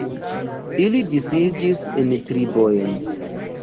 Ili disiĝis en tribojn.